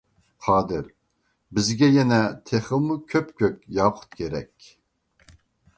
قادىر: بىزگە يەنە تېخىمۇ كۆپ كۆك ياقۇت كېرەك.